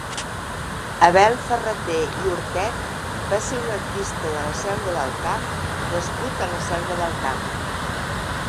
Abel Ferrater i Hortet va ser un artista de la Selva del Camp nascut a la Selva del Camp.